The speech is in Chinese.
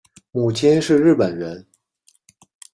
母亲是日本人。